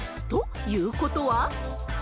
ということは。